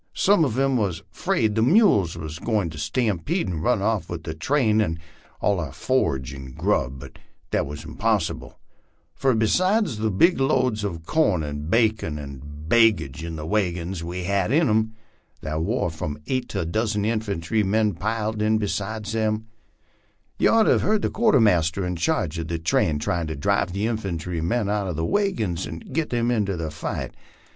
Sum uv 'em wuz 'frald the mules war goin' to stampede and run off with the train an' all our forage and grub, Iput that wuz impossible ; fur besides the big loads uv corn an' bacon an' bag gage the wagons hed in them, thar war from eight to a dozen infantry men piled into them besides. Ye ort to her heard the quartermaster in charge uv the train tryin' to drive the infantry men out of the wagons and git them into the fight.